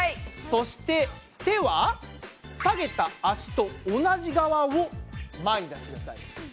そして手は下げた足と同じ側を前に出してください。